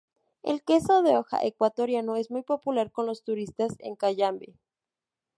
El queso de hoja ecuatoriano es muy popular con los turistas en Cayambe.